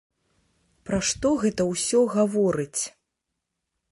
Пра што гэта ўсё гаворыць?